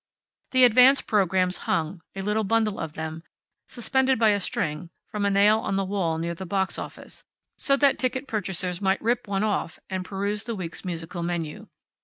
The advance programs hung, a little bundle of them, suspended by a string from a nail on the wall near the box office, so that ticket purchasers might rip one off and peruse the week's musical menu.